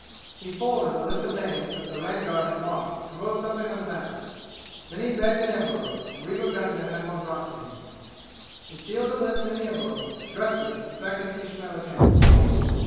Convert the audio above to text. He folded the list of names that the Rangar had marked and wrote something on the back. Then he begged an envelope, and Rewa Gunga had one brought to him. He sealed the list in the envelope, addressed it and beckoned Ismail again.